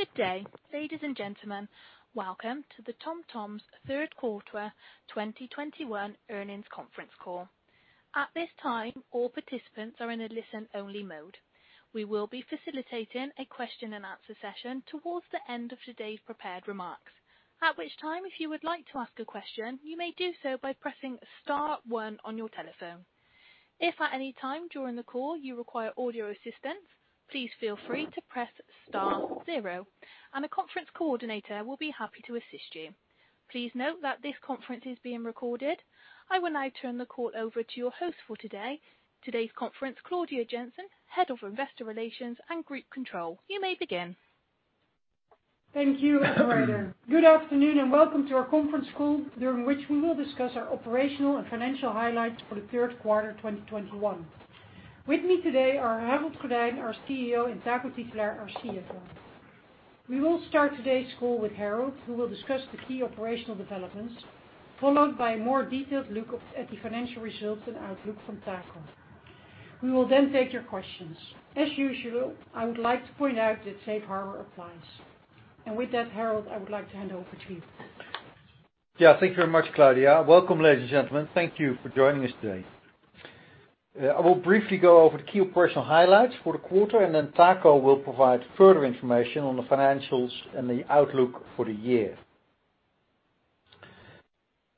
Good day, ladies and gentlemen. Welcome to the TomTom's third quarter 2021 earnings conference call. At this time, all participants are in a listen-only mode. We will be facilitating a question and answer session towards the end of today's prepared remarks. At which time, if you would like to ask a question, you may do so by pressing star one on your telephone. If at any time during the call you require audio assistance, please feel free to press star zero and a conference coordinator will be happy to assist you. Please note that this conference is being recorded. I will now turn the call over to your host for today's conference, Claudia Janssen, Head of Investor Relations and Group Control. You may begin. Thank you operator. Good afternoon, and welcome to our conference call, during which we will discuss our operational and financial highlights for the third quarter 2021. With me today are Harold Goddijn, our CEO, and Taco Titulaer, our CFO. We will start today's call with Harold, who will discuss the key operational developments, followed by a more detailed look at the financial results and outlook from Taco. We will then take your questions. As usual, I would like to point out that Safe Harbor applies. With that, Harold, I would like to hand over to you. Yeah. Thank you very much, Claudia Janssen. Welcome, ladies and gentlemen. Thank you for joining us today. I will briefly go over the key operational highlights for the quarter, and then Taco will provide further information on the financials and the outlook for the year.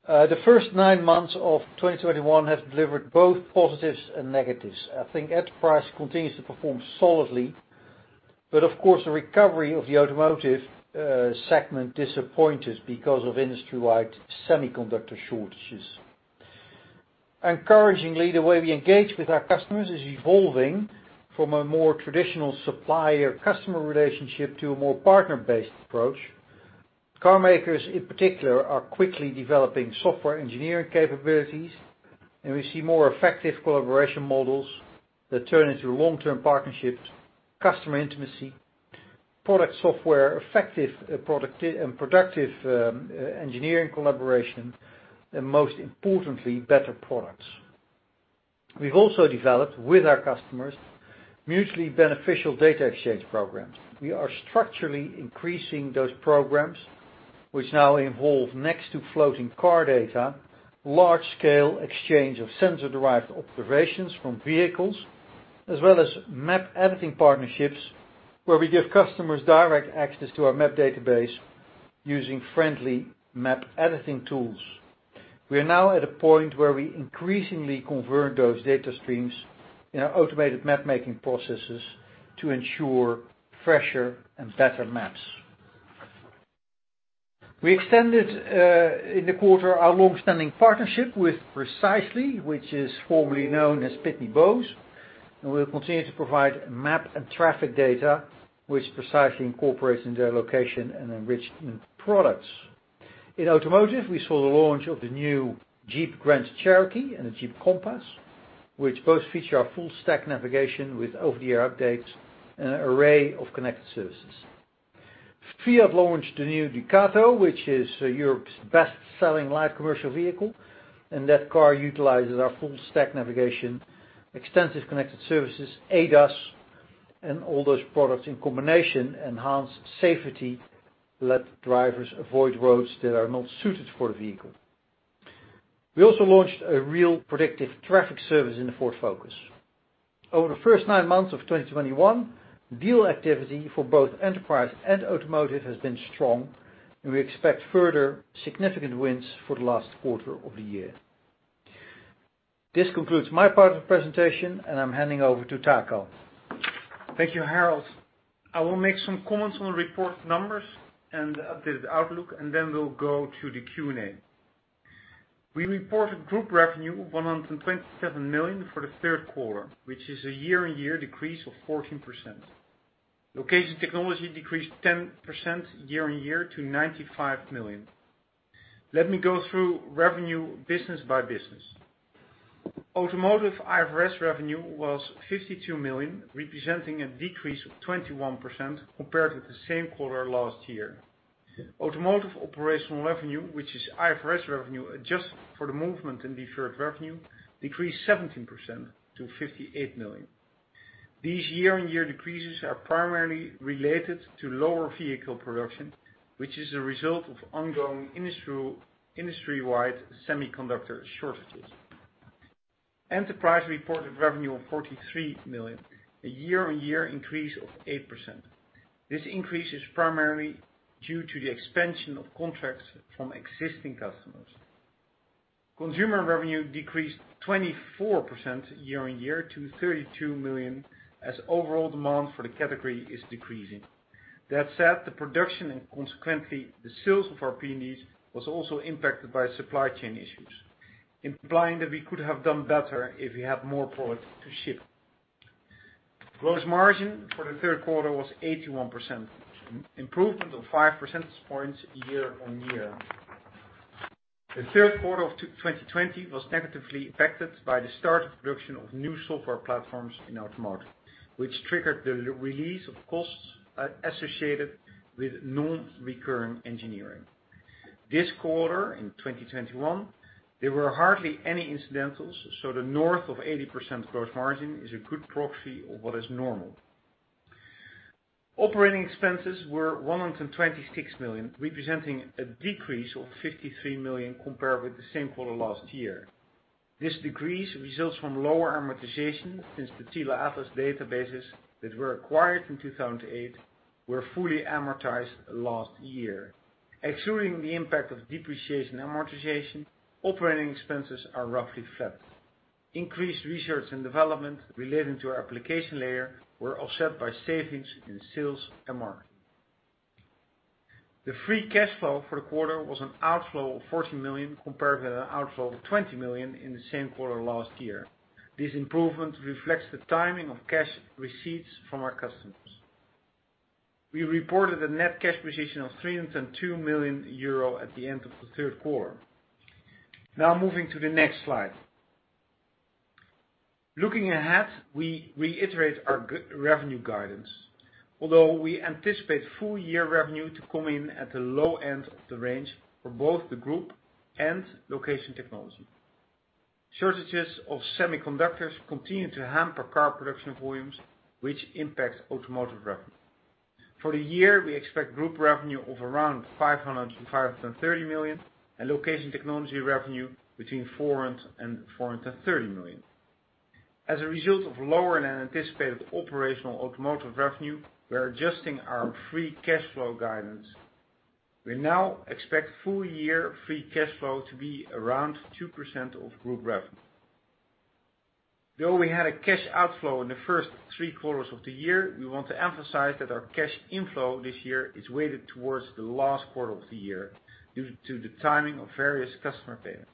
The first nine months of 2021 have delivered both positives and negatives. I think Enterprise continues to perform solidly, but of course, the recovery of the Automotive segment disappointed because of industry-wide semiconductor shortages. Encouragingly, the way we engage with our customers is evolving from a more traditional supplier-customer relationship to a more partner-based approach. Car makers in particular are quickly developing software engineering capabilities, and we see more effective collaboration models that turn into long-term partnerships, customer intimacy, product software, effective and productive engineering collaboration, and most importantly, better products. We've also developed with our customers mutually beneficial data exchange programs. We are structurally increasing those programs which now involve next to floating car data, large scale exchange of sensor-derived observations from vehicles, as well as map editing partnerships where we give customers direct access to our map database using friendly map editing tools. We are now at a point where we increasingly convert those data streams in our automated map making processes to ensure fresher and better maps. We extended, in the quarter, our longstanding partnership with Precisely, which is formerly known as Pitney Bowes, and we will continue to provide map and traffic data which Precisely incorporates into their location and enrichment products. In automotive, we saw the launch of the new Jeep Grand Cherokee and the Jeep Compass, which both feature our full-stack navigation with over-the-air updates and an array of connected services. Fiat launched the new Ducato, which is Europe's best-selling light commercial vehicle, and that car utilizes our full-stack navigation, extensive connected services, ADAS. All those products in combination enhance safety, let drivers avoid roads that are not suited for the vehicle. We also launched a real predictive traffic service in the Ford Focus. Over the first nine months of 2021, deal activity for both Enterprise and Automotive has been strong, and we expect further significant wins for the last quarter of the year. This concludes my part of the presentation, and I'm handing over to Taco. Thank you, Harold. I will make some comments on the report numbers and updated outlook, then we'll go to the Q&A. We reported group revenue of 127 million for the third quarter, which is a year-on-year decrease of 14%. Location Technology decreased 10% year-on-year to 95 million. Let me go through revenue business by business. Automotive IFRS revenue was 52 million, representing a decrease of 21% compared with the same quarter last year. Automotive operational revenue, which is IFRS revenue adjusted for the movement in deferred revenue, decreased 17% to 58 million. These year-on-year decreases are primarily related to lower vehicle production, which is a result of ongoing industry-wide semiconductor shortages. Enterprise reported revenue of 43 million, a year-on-year increase of 8%. This increase is primarily due to the expansion of contracts from existing customers. Consumer revenue decreased 24% year-on-year to 32 million as overall demand for the category is decreasing. That said, the production and consequently the sales of our PNDs was also impacted by supply chain issues, implying that we could have done better if we had more product to ship. Gross margin for the third quarter was 81%, an improvement of five percentage points year-on-year. The third quarter of 2020 was negatively affected by the start of production of new software platforms in Automotive, which triggered the release of costs associated with non-recurring engineering. This quarter, in 2021, there were hardly any incidentals, so the north of 80% gross margin is a good proxy of what is normal. Operating expenses were 126 million, representing a decrease of 53 million compared with the same quarter last year. This decrease results from lower amortization since the Tele Atlas databases that were acquired in 2008 were fully amortized last year. Excluding the impact of depreciation amortization, operating expenses are roughly flat. Increased research and development relating to our application layer were offset by savings in sales and marketing. The free cash flow for the quarter was an outflow of 14 million, compared with an outflow of 20 million in the same quarter last year. This improvement reflects the timing of cash receipts from our customers. We reported a net cash position of 302 million euro at the end of the third quarter. Now, moving to the next slide. Looking ahead, we reiterate our revenue guidance. Although we anticipate full year revenue to come in at the low end of the range for both the group and Location Technology. Shortages of semiconductors continue to hamper car production volumes, which impacts automotive revenue. For the year, we expect group revenue of around 500 million-530 million and Location Technology revenue between 400 million and 430 million. As a result of lower than anticipated operational automotive revenue, we're adjusting our free cash flow guidance. We now expect full year free cash flow to be around 2% of group revenue. Though we had a cash outflow in the first 3 quarters of the year, we want to emphasize that our cash inflow this year is weighted towards the last quarter of the year due to the timing of various customer payments.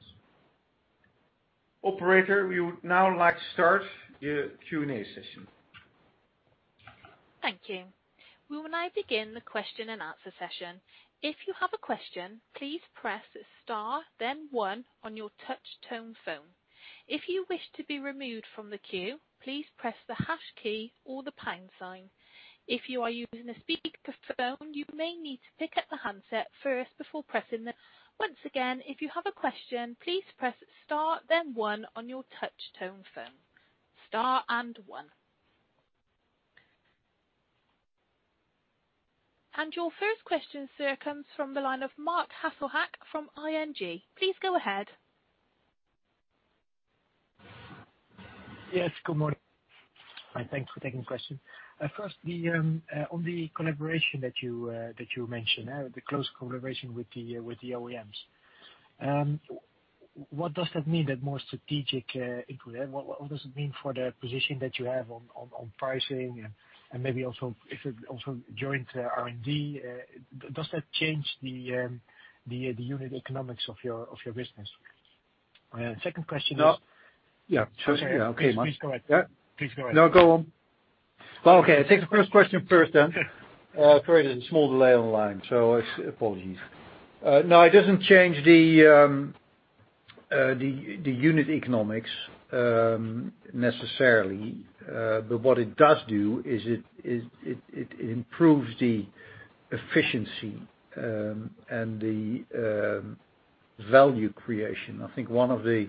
Operator, we would now like to start the Q&A session. Thank you. We will now begin the question and answer session. Your first question, sir, comes from the line of Marc Hesselink from ING. Please go ahead. Yes, good morning. Thanks for taking question. First, on the collaboration that you mentioned, the close collaboration with the OEMs. What does that mean, that more strategic input? What does it mean for the position that you have on pricing and maybe also joint R&D? Does that change the unit economics of your business? My second question is- No. Yeah. Okay, Marc. Please go ahead. Yeah. Please go ahead. No, go on. Okay, I'll take the first question first then. Sorry, there's a small delay on the line, so apologies. No, it doesn't change the unit economics necessarily. What it does do is, it improves the efficiency and the value creation. I think one of the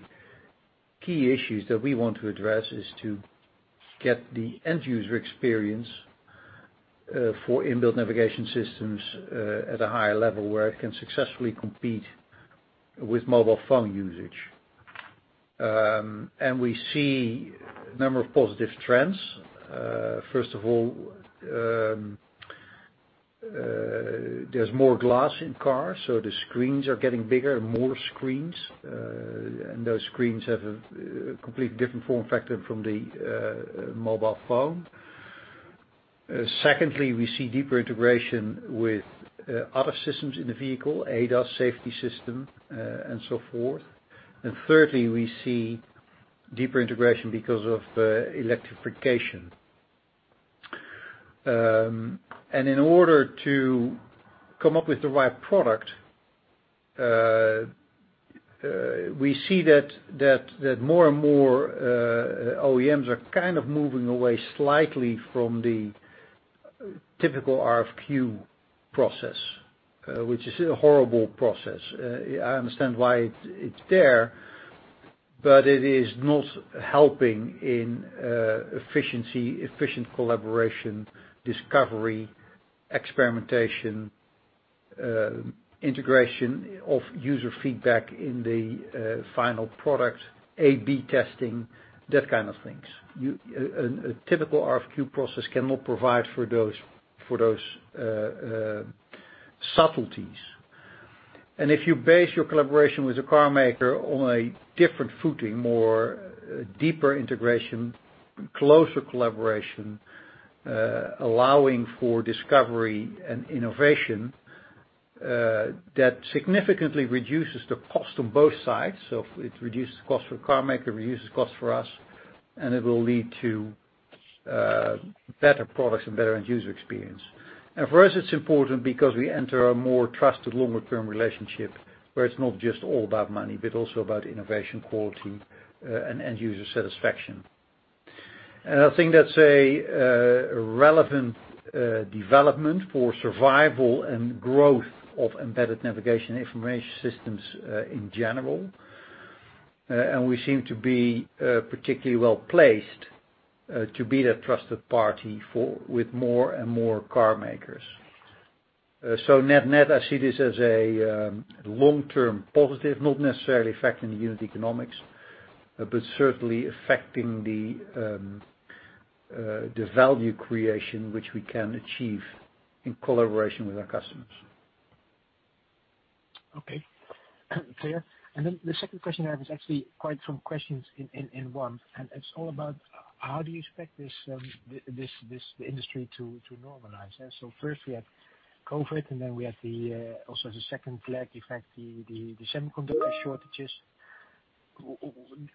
key issues that we want to address is to get the end user experience for inbuilt navigation systems at a higher level, where it can successfully compete with mobile phone usage. We see a number of positive trends. First of all, there's more glass in cars, so the screens are getting bigger and more screens, and those screens have a completely different form factor from the mobile phone. Secondly, we see deeper integration with other systems in the vehicle, ADAS safety system and so forth. Thirdly, we see deeper integration because of electrification. In order to come up with the right product, we see that more and more OEMs are kind of moving away slightly from the typical RFQ process, which is a horrible process. I understand why it's there, but it is not helping in efficiency, efficient collaboration, discovery, experimentation, integration of user feedback in the final product, A/B testing, that kind of things. A typical RFQ process cannot provide for those subtleties. If you base your collaboration with a car maker on a different footing, more deeper integration, closer collaboration, allowing for discovery and innovation, that significantly reduces the cost on both sides. It reduces cost for car maker, reduces cost for us, and it will lead to better products and better end user experience. For us, it's important because we enter a more trusted longer-term relationship where it's not just all about money, but also about innovation, quality, and end-user satisfaction. I think that's a relevant development for survival and growth of embedded navigation information systems in general. We seem to be particularly well-placed to be the trusted party with more and more car makers. Net-net, I see this as a long-term positive, not necessarily affecting the unit economics, but certainly affecting the value creation which we can achieve in collaboration with our customers. Okay. Clear. The second question I have is actually quite some questions in one, and it's all about how do you expect this industry to normalize. First we had COVID and then we had also the second flag effect, the semiconductor shortages.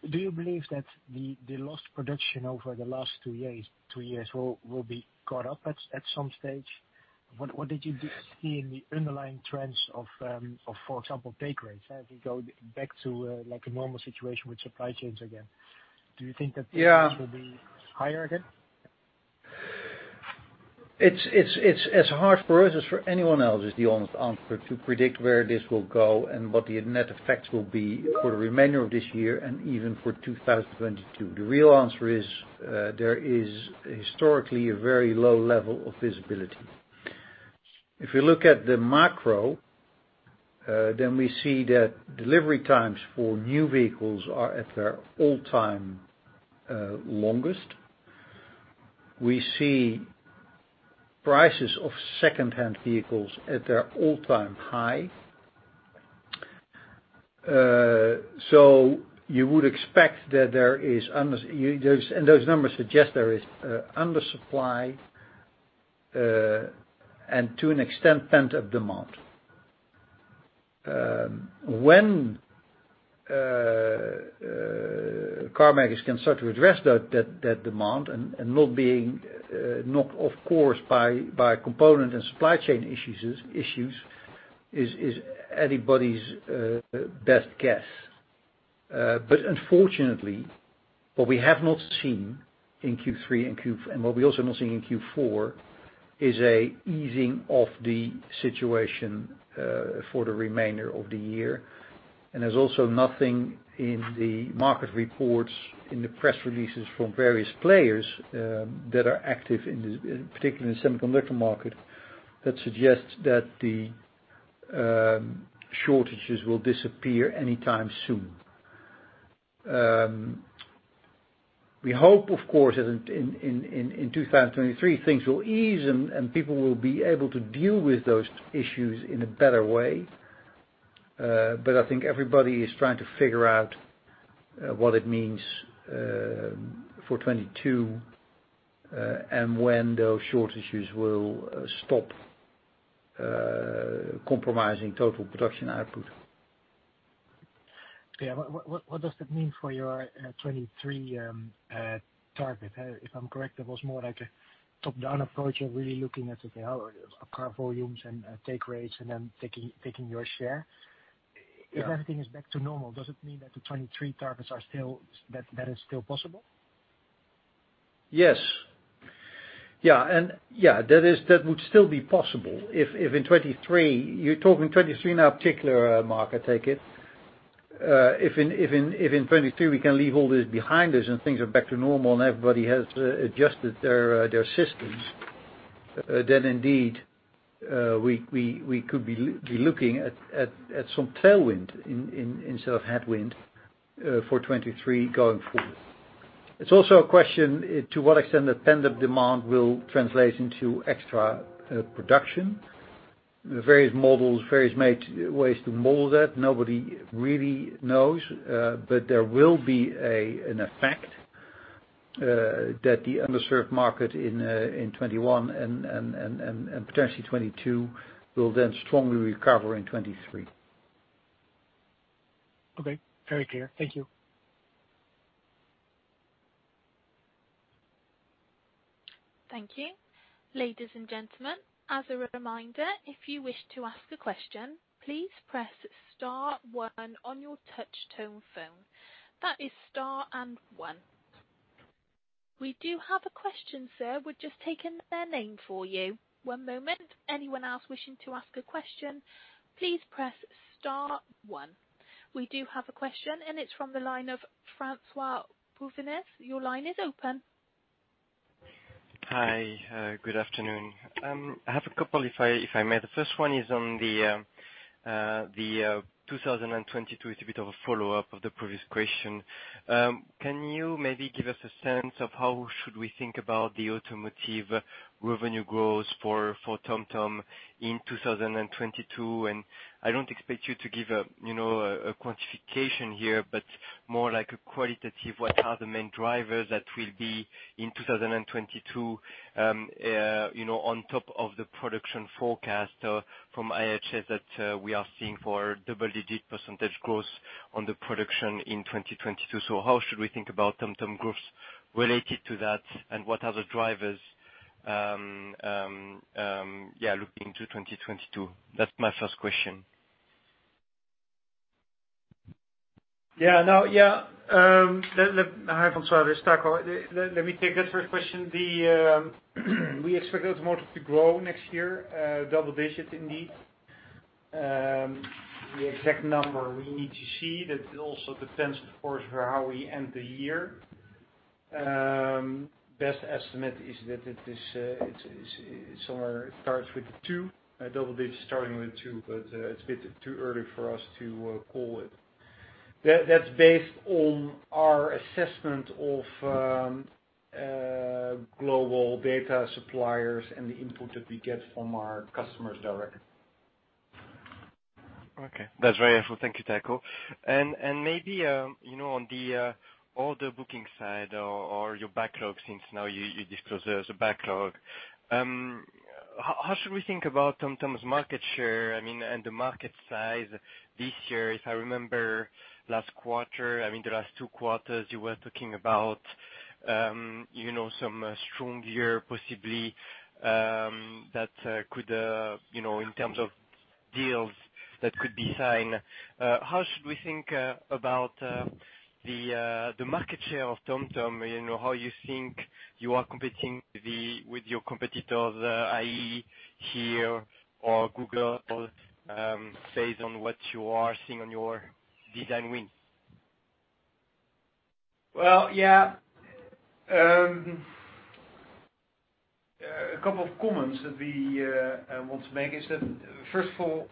Do you believe that the lost production over the last two years will be caught up at some stage? What did you see in the underlying trends of, for example, take rates as we go back to a normal situation with supply chains again? Yeah things will be higher again? It's as hard for us as for anyone else, is the honest answer, to predict where this will go and what the net effect will be for the remainder of this year and even for 2022. The real answer is, there is historically a very low level of visibility. If you look at the macro, we see that delivery times for new vehicles are at their all-time longest. We see prices of secondhand vehicles at their all-time high. You would expect, and those numbers suggest there is undersupply, and to an extent, pent-up demand. When car makers can start to address that demand and not being knocked off course by component and supply chain issues is anybody's best guess. Unfortunately, what we have not seen in Q3 and what we also are not seeing in Q4 is a easing of the situation for the remainder of the year. There's also nothing in the market reports, in the press releases from various players that are active, particularly in the semiconductor market, that suggests that the shortages will disappear anytime soon. We hope, of course, that in 2023, things will ease, and people will be able to deal with those issues in a better way. I think everybody is trying to figure out what it means for 2022, and when those shortages will stop compromising total production output. Okay. What does that mean for your 2023 target? If I'm correct, that was more like a top-down approach of really looking at car volumes and take rates and then taking your share. Yeah. If everything is back to normal, does it mean that the 2023 targets, that is still possible? Yes. That would still be possible. You're talking 2023 in a particular market, I take it. If in 2023, we can leave all this behind us and things are back to normal and everybody has adjusted their systems, then indeed, we could be looking at some tailwind instead of headwind for 2023 going forward. It's also a question to what extent that pent-up demand will translate into extra production. Various ways to mold that. Nobody really knows. There will be an effect that the underserved market in 2021 and potentially 2022 will then strongly recover in 2023. Okay. Very clear. Thank you. Thank you. Ladies and gentlemen, as a reminder, if you wish to ask a question, please press star 1 on your touch tone phone. That is star and one. We do have a question, sir. We're just taking their name for you. One moment. Anyone else wishing to ask a question, please press star one. We do have a question, and it's from the line of François-Xavier Bouvignies. Your line is open. Hi. Good afternoon. I have a couple if I may. The first one is on the 2022. It's a bit of a follow-up of the previous question. Can you maybe give us a sense of how should we think about the automotive revenue growth for TomTom in 2022? I don't expect you to give a quantification here, but more like a qualitative, what are the main drivers that will be in 2022 on top of the production forecast from IHS that we are seeing for double-digit % growth on the production in 2022. How should we think about TomTom growth related to that, and what are the drivers looking to 2022? That's my first question. Hi, François. It's Taco. Let me take that first question. We expect automotive to grow next year, double digits indeed. The exact number we need to see. That also depends, of course, for how we end the year. Best estimate is that it starts with a two, a double digit starting with two, but it's a bit too early for us to call it. That's based on our assessment of global data suppliers and the input that we get from our customers directly. Okay. That's very helpful. Thank you, Taco. Maybe on the order booking side or your backlog, since now you disclosed there's a backlog. How should we think about TomTom's market share, and the market size this year? If I remember last quarter, I mean, the last two quarters you were talking about some strong year possibly, in terms of deals that could be signed. How should we think about the market share of TomTom? How you think you are competing with your competitors, i.e., HERE or Google, based on what you are seeing on your design wins? Well, yeah. A couple of comments that we want to make is that, first of all,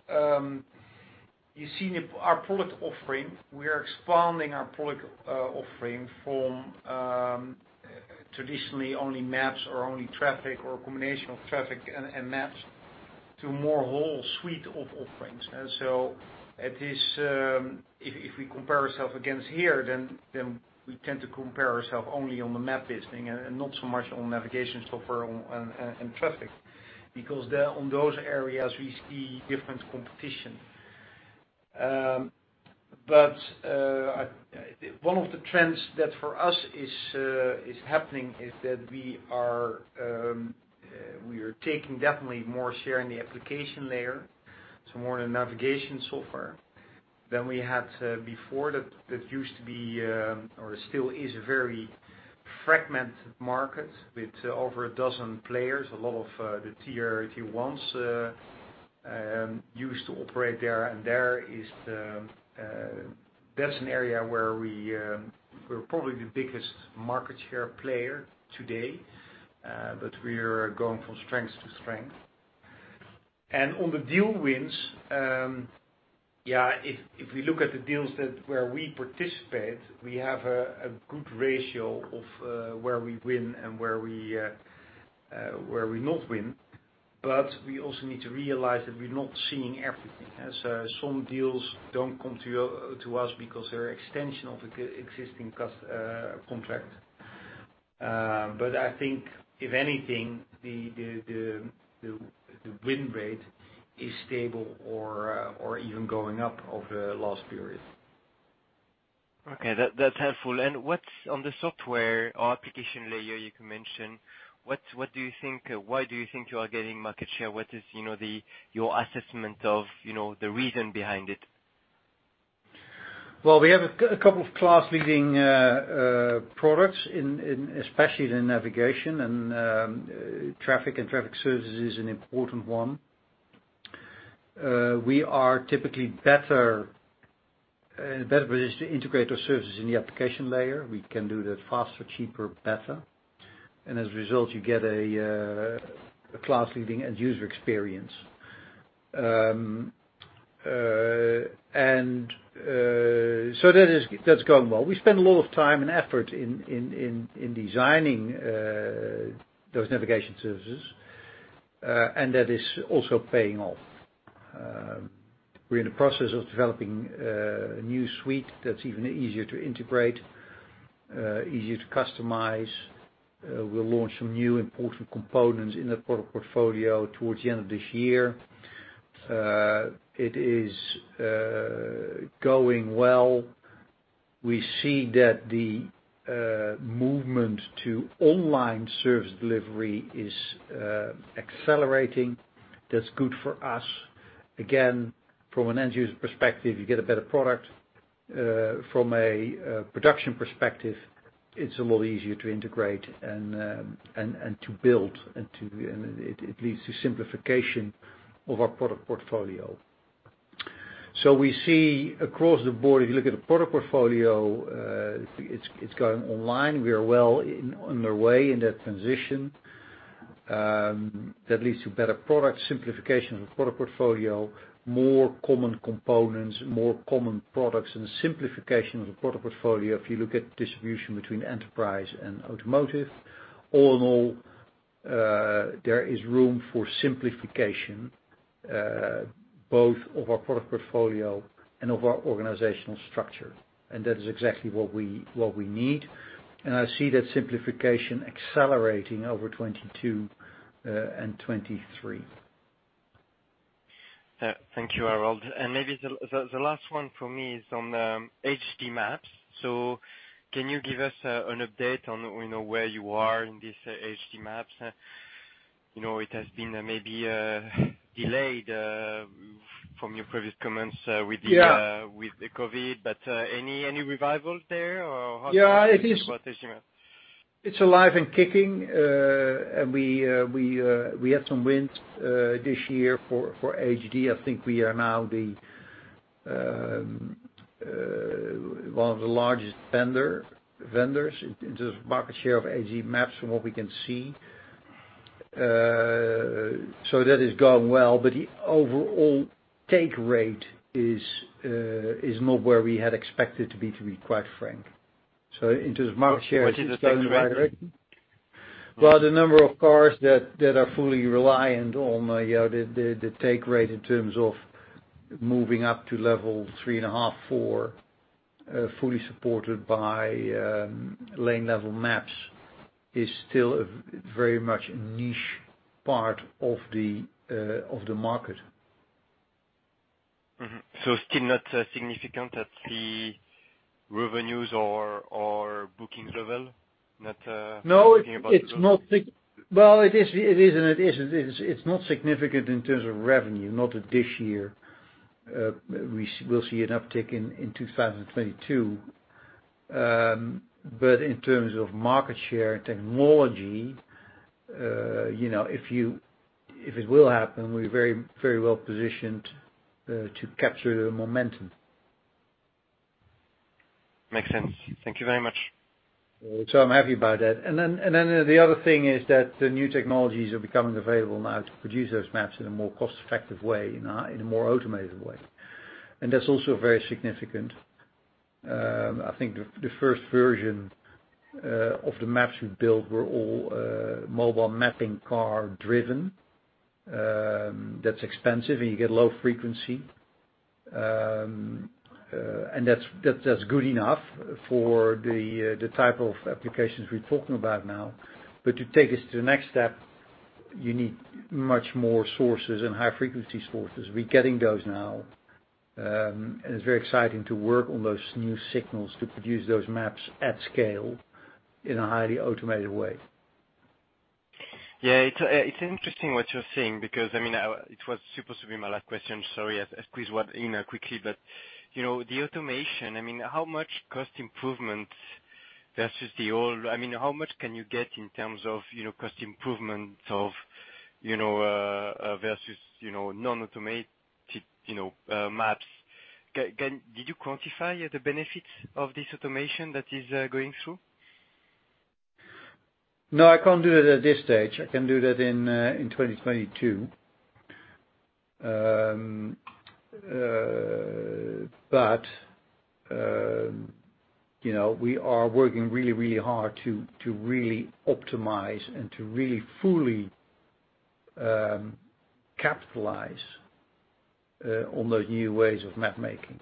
you've seen our product offering. We are expanding our product offering from traditionally only maps or only traffic, or a combination of traffic and maps, to more whole suite of offerings. If we compare ourself against HERE, then we tend to compare ourself only on the map business and not so much on navigation software and traffic, because on those areas, we see different competition. One of the trends that for us is happening is that we are taking definitely more share in the application layer, so more on the navigation software than we had before. That used to be, or still is, a very fragmented market with over 12 players. A lot of the tier 1s used to operate there, and that's an area where we're probably the biggest market share player today. We are going from strength to strength. On the deal wins, if we look at the deals where we participate, we have a good ratio of where we win and where we not win. We also need to realize that we're not seeing everything, as some deals don't come to us because they're extension of existing contract. I think if anything, the win rate is stable or even going up over the last period. Okay. That's helpful. What's on the software or application layer you mentioned, why do you think you are gaining market share? What is your assessment of the reason behind it? We have a couple of class leading products, especially in navigation and traffic, and traffic services is an important one. We are typically better positioned to integrate our services in the application layer. We can do that faster, cheaper, better. As a result, you get a class leading end user experience. That's going well. We spend a lot of time and effort in designing those navigation services, and that is also paying off. We're in the process of developing a new suite that's even easier to integrate, easier to customize. We'll launch some new important components in the product portfolio towards the end of this year. It is going well. We see that the movement to online service delivery is accelerating. That's good for us. Again, from an end user perspective, you get a better product. From a production perspective, it's a lot easier to integrate and to build. It leads to simplification of our product portfolio. We see across the board, if you look at the product portfolio, it's going online. We are well on the way in that transition. That leads to better product simplification of the product portfolio, more common components, more common products, and simplification of the product portfolio. If you look at distribution between enterprise and automotive, all in all, there is room for simplification, both of our product portfolio and of our organizational structure. That is exactly what we need. I see that simplification accelerating over 2022 and 2023. Thank you, Harold. Maybe the last one for me is on HD Map. Can you give us an update on where you are in this HD Map? It has been maybe delayed from your previous comments. Yeah with the COVID. Any revival there, or how do you feel? Yeah About HD Map? It's alive and kicking. We had some wins this year for HD. I think we are now one of the largest vendors in terms of market share of HD Map from what we can see. That has gone well, but the overall take rate is not where we had expected to be, to be quite frank. In terms of market share, it's going in the right direction. What is the take rate? Well, the number of cars that are fully reliant on the take rate in terms of moving up to level three and a half, four, fully supported by lane level maps, is still very much a niche part of the market. Mm-hmm. still not significant at the revenues or booking level? No. Well, it is and it isn't. It's not significant in terms of revenue, not this year. We'll see an uptick in 2022. In terms of market share and technology, if it will happen, we're very well positioned to capture the momentum. Makes sense. Thank you very much. I'm happy about that. The other thing is that the new technologies are becoming available now to produce those maps in a more cost-effective way, in a more automated way. That's also very significant. I think the first version of the maps we built were all mobile mapping car-driven. That's expensive, and you get low frequency. That's good enough for the type of applications we're talking about now. To take us to the next step, you need much more sources and high-frequency sources. We're getting those now, and it's very exciting to work on those new signals to produce those maps at scale in a highly automated way. Yeah, it's interesting what you're saying because, it was supposed to be my last question, sorry, I'll squeeze one in quickly. The automation, how much can you get in terms of cost improvements versus non-automated maps? Did you quantify the benefits of this automation that is going through? No, I can't do that at this stage. I can do that in 2022. We are working really hard to really optimize and to really fully capitalize on those new ways of mapmaking.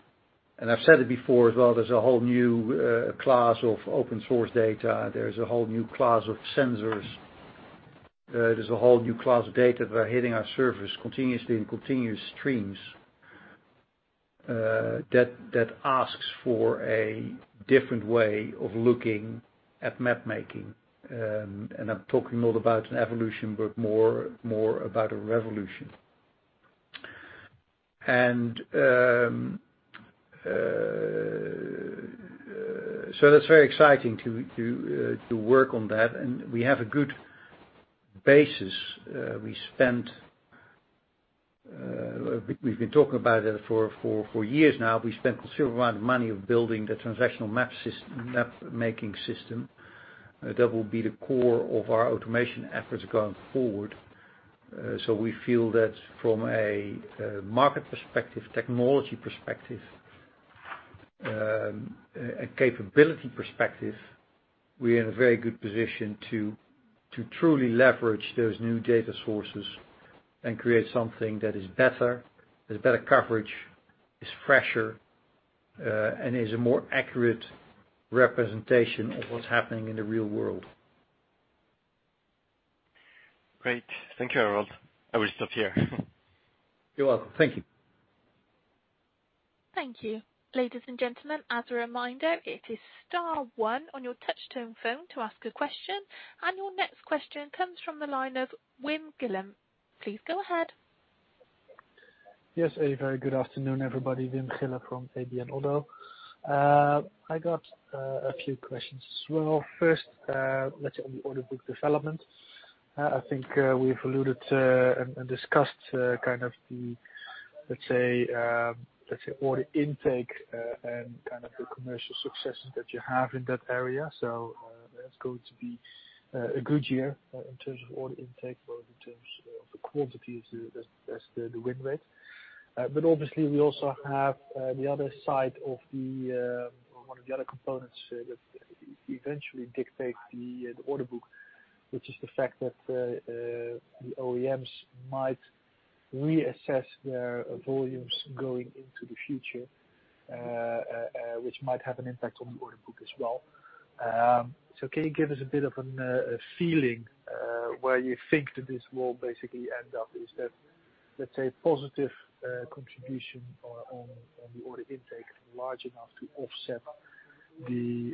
I've said it before as well, there's a whole new class of open source data. There's a whole new class of sensors. There's a whole new class of data that are hitting our servers continuously in continuous streams, that asks for a different way of looking at mapmaking. I'm talking not about an evolution, but more about a revolution. That's very exciting to work on that. We have a good basis. We've been talking about it for years now. We spent a considerable amount of money on building the transactional mapmaking system. That will be the core of our automation efforts going forward. We feel that from a market perspective, technology perspective, a capability perspective, we are in a very good position to truly leverage those new data sources and create something that is better, has better coverage, is fresher, and is a more accurate representation of what's happening in the real world. Great. Thank you, Harold. I will stop here. You're welcome. Thank you. Thank you. Ladies and gentlemen, as a reminder, it is star one on your touch-tone phone to ask a question. Your next question comes from the line of Wim Gille. Please go ahead. Yes, a very good afternoon, everybody. Wim Gille from ABN AMRO. I got a few questions as well. First, let's say on the order book development. I think we've alluded to and discussed kind of the, let's say, order intake, and kind of the commercial successes that you have in that area. That's going to be a good year in terms of order intake or in terms of the quantity as the win rate. Obviously we also have the other side of the, or one of the other components that eventually dictate the order book, which is the fact that the OEMs might reassess their volumes going into the future, which might have an impact on the order book as well. Can you give us a bit of a feeling where you think that this will basically end up? Is that let's say positive contribution on the order intake large enough to offset the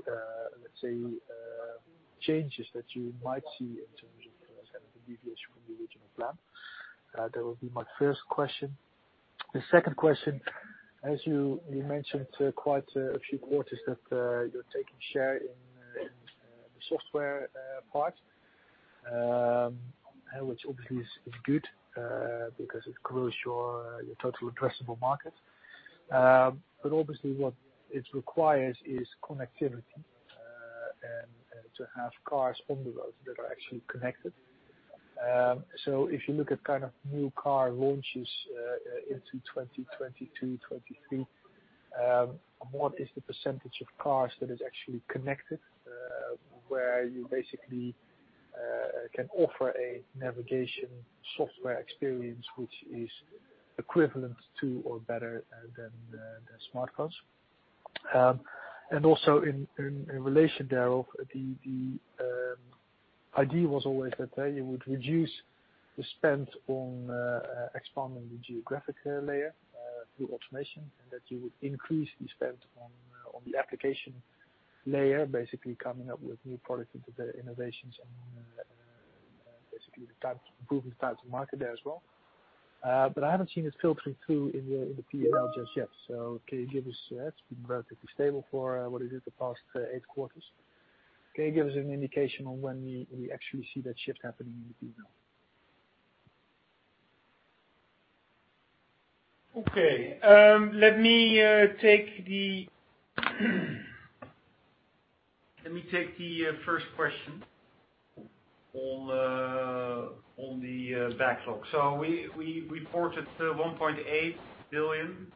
changes that you might see in terms of the deviation from the original plan. That would be my first question. The second question, as you mentioned quite a few quarters that you're taking share in the software part, which obviously is good because it grows your total addressable market. Obviously what it requires is connectivity, and to have cars on the road that are actually connected. If you look at new car launches into 2022, 2023, what is the percentage of cars that is actually connected? Where you basically can offer a navigation software experience which is equivalent to or better than the smartphones. Also in relation thereof, the idea was always that you would reduce the spend on expanding the geographic layer through automation, and that you would increase the spend on the application layer, basically coming up with new product innovations and basically improving time to market there as well. I haven't seen it filtering through in the P&L just yet. It's been relatively stable for, what is it, the past eight quarters. Can you give us an indication on when we actually see that shift happening in the P&L? Ok`ay. Let me take the first question on the backlog. We reported 1.8 billion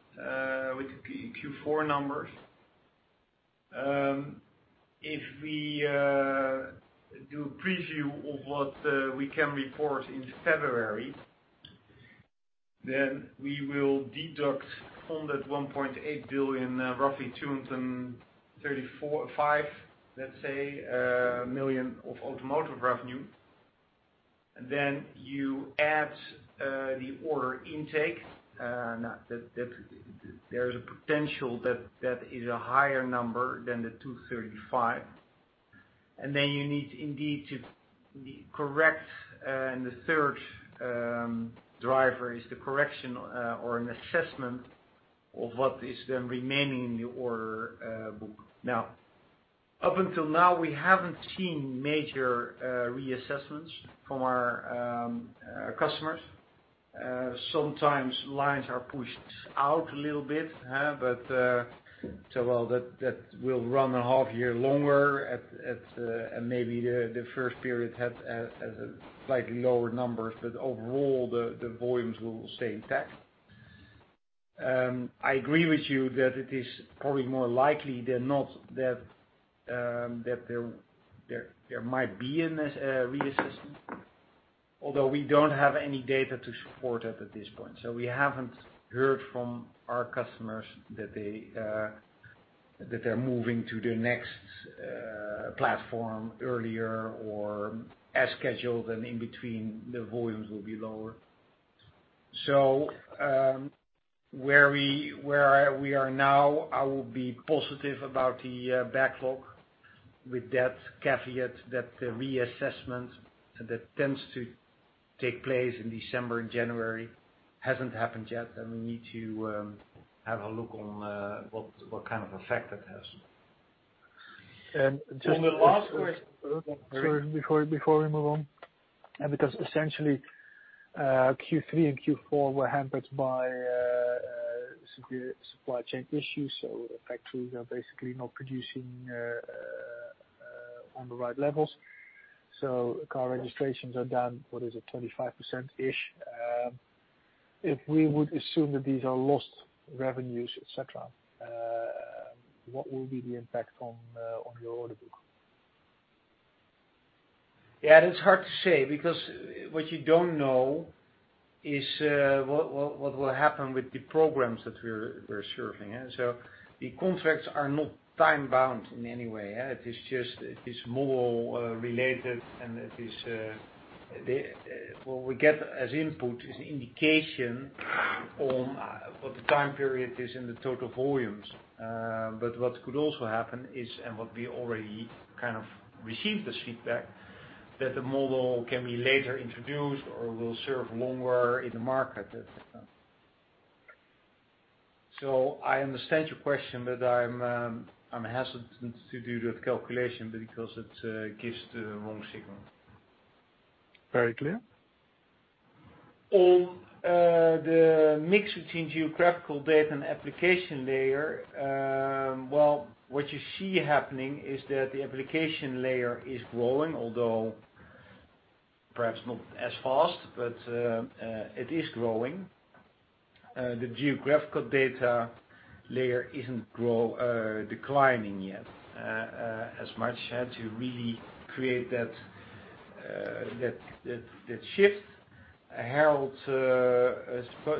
with the Q4 numbers. If we do a preview of what we can report in February, we will deduct from that 1.8 billion, roughly 235 million, let's say, of automotive revenue. You add the order intake. There is a potential that is a higher number than 235. You need indeed to correct, and the third driver is the correction or an assessment of what is then remaining in the order book. Up until now, we haven't seen major reassessments from our customers. Sometimes lines are pushed out a little bit. That will run a half-year longer at maybe the first period had a slightly lower number, but overall the volumes will stay intact. I agree with you that it is probably more likely than not that there might be a reassessment, although we don't have any data to support it at this point. We haven't heard from our customers that they're moving to the next platform earlier or as scheduled, and in between, the volumes will be lower. Where we are now, I will be positive about the backlog with that caveat that the reassessment that tends to take place in December and January hasn't happened yet, and we need to have a look on what kind of effect that has. And just- On the last question. Sorry, before we move on. Essentially, Q3 and Q4 were hampered by severe supply chain issues, factories are basically not producing on the right levels. Car registrations are down, what is it, 25%-ish? If we would assume that these are lost revenues, et cetera, what will be the impact on your order book? Yeah, that's hard to say because what you don't know is what will happen with the programs that we're serving. The contracts are not time-bound in any way. It is model related, and what we get as input is indication on what the time period is and the total volumes. What could also happen is, and what we already kind of received as feedback, that the model can be later introduced or will serve longer in the market. I understand your question, but I'm hesitant to do that calculation because it gives the wrong signal. Very clear. On the mix between geographical data and application layer. Well, what you see happening is that the application layer is growing, although perhaps not as fast, but it is growing. The geographical data layer isn't declining yet as much to really create that shift. Harold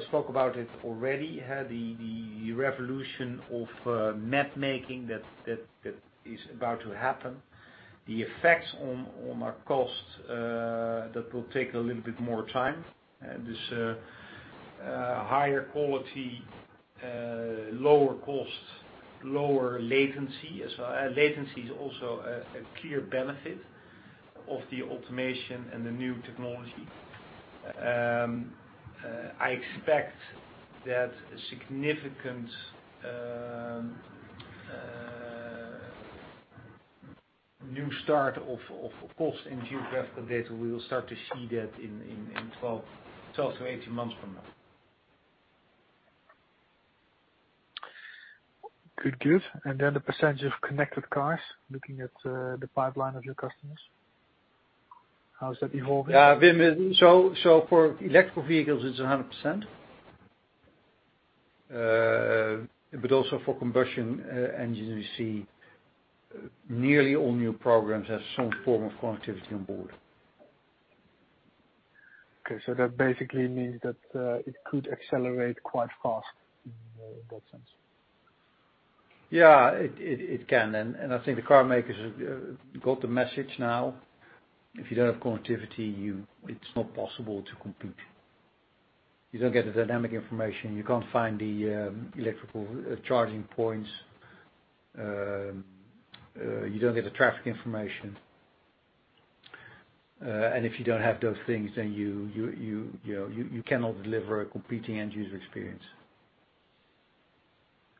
spoke about it already. That will take a little bit more time. This higher quality, lower cost, lower latency as well. Latency is also a clear benefit of the automation and the new technology. I expect that a significant new start of cost in geographical data, we will start to see that in 12-18 months from now. Good. The percentage of connected cars, looking at the pipeline of your customers, how is that evolving? Wim, for electrical vehicles, it's 100%. Also for combustion engines, we see nearly all new programs have some form of connectivity on board. Okay. That basically means that it could accelerate quite fast in that sense. Yeah, it can. I think the carmakers have got the message now. If you don't have connectivity, it's not possible to compete. You don't get the dynamic information, you can't find the electrical charging points, you don't get the traffic information. If you don't have those things, then you cannot deliver a competing end user experience.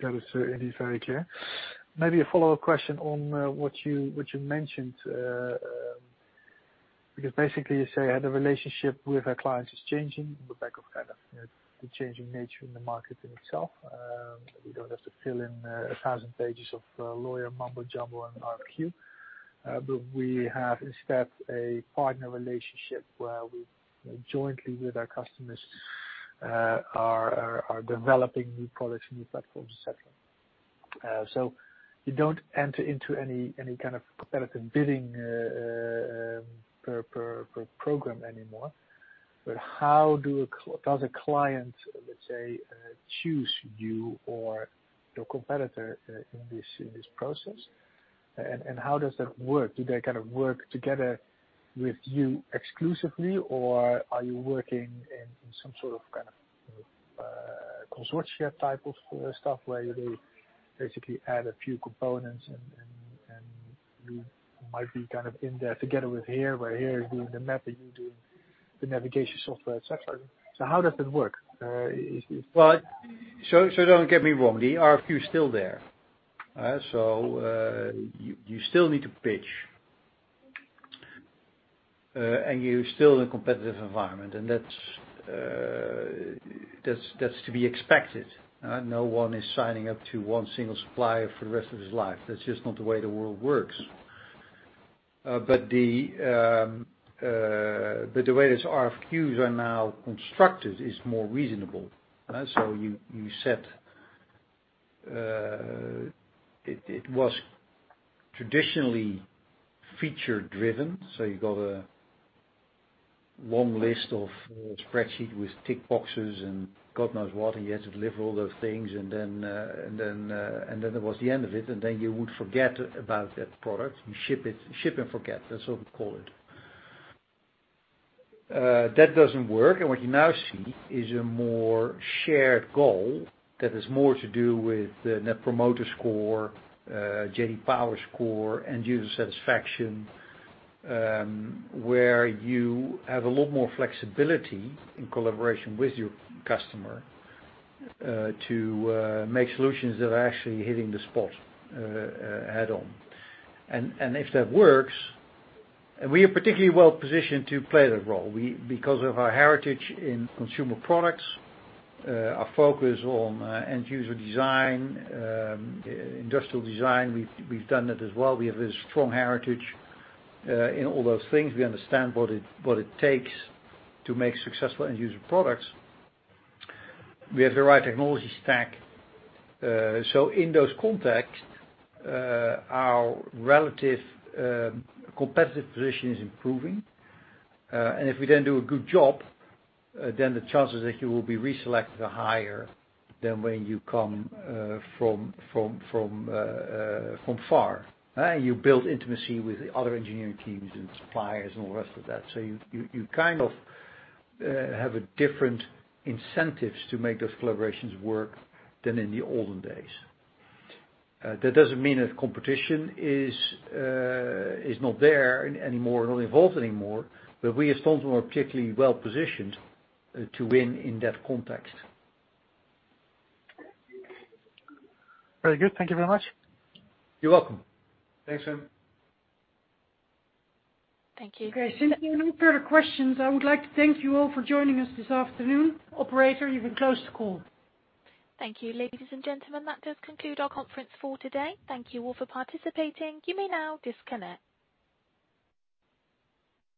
That is indeed very clear. Maybe a follow-up question on what you mentioned, because basically you say the relationship with our clients is changing on the back of the changing nature in the market in itself. We don't have to fill in 1,000 pages of lawyer mumbo jumbo and RFQ. We have, instead, a partner relationship where we, jointly with our customers, are developing new products, new platforms, et cetera. You don't enter into any kind of competitive bidding per program anymore, but how does a client, let's say, choose you or your competitor in this process? How does that work? Do they work together with you exclusively, or are you working in some sort of consortia type of stuff, where they basically add a few components and you might be in there together with HERE, where HERE is doing the map and you're doing the navigation software, et cetera? How does that work? Don't get me wrong, the RFQ is still there. You still need to pitch. You're still in a competitive environment, and that's to be expected. No one is signing up to one single supplier for the rest of his life. That's just not the way the world works. The way these RFQs are now constructed is more reasonable. You said it was traditionally feature-driven, so you got a long list of spreadsheets with tick boxes and God knows what, and you had to deliver all those things, then that was the end of it. Then you would forget about that product. You ship and forget. That's what we call it. That doesn't work, and what you now see is a more shared goal that is more to do with the Net Promoter Score. Power score, end user satisfaction, where you have a lot more flexibility in collaboration with your customer to make solutions that are actually hitting the spot head on. If that works, we are particularly well-positioned to play that role. Because of our heritage in consumer products, our focus on end user design, industrial design, we've done that as well. We have a strong heritage in all those things. We understand what it takes to make successful end user products. We have the right technology stack. In those contexts, our relative competitive position is improving. If we then do a good job, then the chances that you will be reselected are higher than when you come from far. You build intimacy with other engineering teams and suppliers and all the rest of that. You have a different incentive to make those collaborations work than in the olden days. That doesn't mean that competition is not there anymore, not involved anymore, but we at TomTom are particularly well-positioned to win in that context. Very good. Thank you very much. You're welcome. Thanks, Wim. Thank you. Okay, since there are no further questions, I would like to thank you all for joining us this afternoon. Operator, you can close the call. Thank you, ladies and gentlemen. That does conclude our conference for today. Thank you all for participating. You may now disconnect.